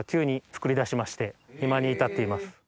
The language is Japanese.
今に至っています。